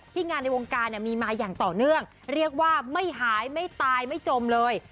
งานในวงการเนี่ยมีมาอย่างต่อเนื่องเรียกว่าไม่หายไม่ตายไม่จมเลย